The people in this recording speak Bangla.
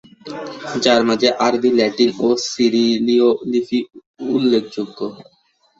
যার মাঝে আরবী, ল্যাটিন ও সিরিলিয় লিপি উল্লপখযোগ্য।